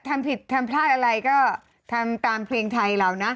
ทำผิดทำพลาดอะไรก็ทำตามเพลงไทยเรานะ